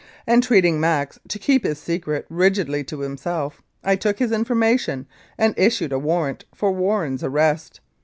Entreating Max to keep his secret rigidly to himself, I took his information and issued a warrant for Warren's arrest.